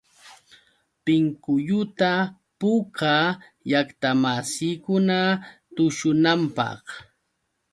Pinkulluta puukaa llaqtamasiikuna tushunanpaq.